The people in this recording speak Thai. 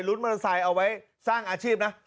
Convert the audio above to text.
รุ้นมันสายเอาไว้สร้างอาชีพนะ